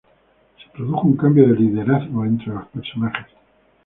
Se produjo un cambio de liderazgo entre los personajes.